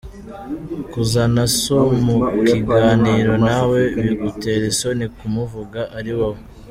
Kuzana So mu kiganiro nawe bigutera isoni kumuvuga ari wowe!?